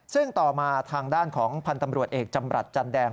ซึ่งต่อมาทางด้านของพันธ์ตำรวจเอกจำรัฐจันแดง